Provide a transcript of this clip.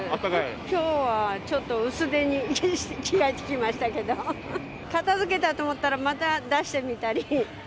きょうはちょっと薄手に着替えてきましたけど、片づけたと思ったら、また出してみたり。